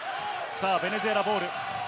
ベネズエラボール。